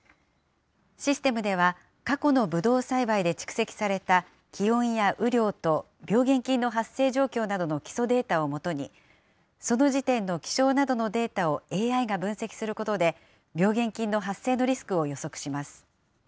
システムでは、過去のぶどう栽培で蓄積された気温や雨量と病原菌の発生状況などの基礎データを基に、その時点の気象などのデータをＡＩが分析することで、病原菌の発生のリスクを予測します。